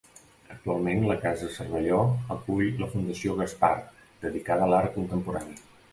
Actualment la casa Cervelló acull la Fundació Gaspar dedicada a l'art contemporani.